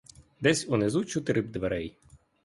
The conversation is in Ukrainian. Десь унизу чути рип дверей.